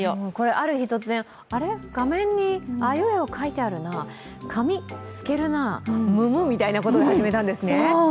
ある日突然、画面にあいうえお書いてあるな、紙、すけるな、ムムみたいなことで始めたんですね。